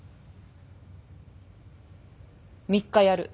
３日やる。